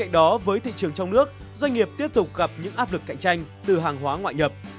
doanh nghiệp tiếp tục gặp những áp lực cạnh tranh từ hàng hóa ngoại nhập